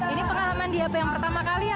ini pengalaman pertama kali